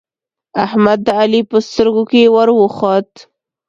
احمد د علی په سترګو کې ور وخوت